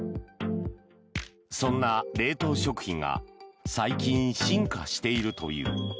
そんな冷凍食品が最近、進化しているという。